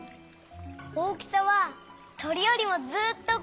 大きさはとりよりもずっとおっきいんだ！